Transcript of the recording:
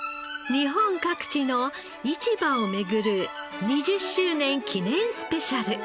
日本各地の市場を巡る２０周年記念スペシャル。